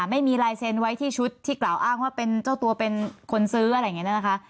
ไม่มีลายเซ็นไว้ที่ชุดที่กล่าวอ้างว่าเป็นเจ้าตัวเป็นคนซื้ออะไรอย่างนี้นะคะ